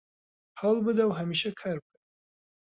هەوڵ بدە و هەمیشە کار بکە